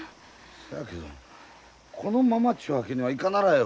そやけどこのままちゅうわけにはいかならよ。